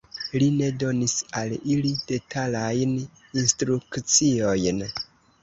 Li ne donis al ili detalajn instrukciojn.